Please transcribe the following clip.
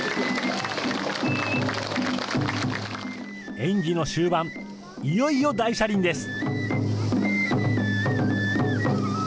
演技の終盤、いよいよ大車輪です。